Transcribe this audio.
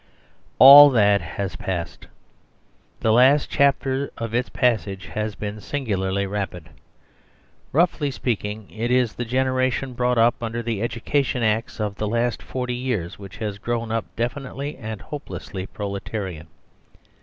All that has passed. The last chapter of its passage has been singularly rapid. Roughly speaking, it is the generation brought up under the Education Acts 137 THE SERVILE STATE of the last forty years which has grown up definitely and hopelessly proletarian.